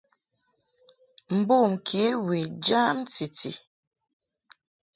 Mbom kě we jam titi.